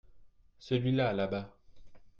celui-là là-bas.